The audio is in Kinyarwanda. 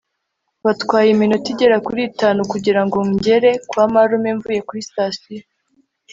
byatwaye iminota igera kuri itanu kugirango ngere kwa marume mvuye kuri sitasiyo